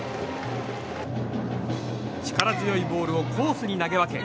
力強いボールをコースに投げ分け